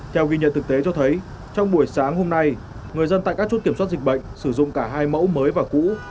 theo ghi nhận thực tế cho thấy trong buổi sáng hôm nay người dân tại các chốt kiểm soát dịch bệnh sử dụng cả hai mẫu mới và cũ